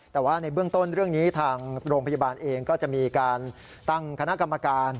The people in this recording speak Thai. แต่ว่าในเบื้องต้นเรื่องนี้ทางโรงพยาบาลเองก็จะมีการตั้งคณะกรรมการ